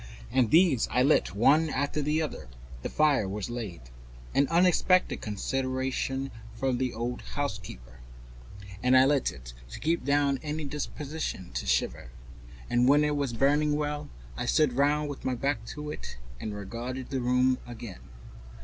All these I lit one after the other. The fire was laid an unexpected consideration from the old housekeeper and I lit it, to keep down any disposition to shiver, and when it was burning well I stood round with my back to it and regarded the room again.